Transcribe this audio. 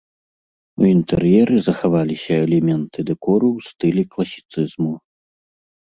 У інтэр'еры захаваліся элементы дэкору ў стылі класіцызму.